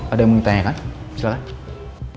ada yang mau ditanyakan